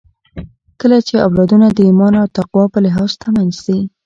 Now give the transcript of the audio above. کله چې اولادونه د ايمان او تقوی په لحاظ شتمن سي